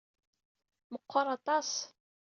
Meɣɣer aṭas.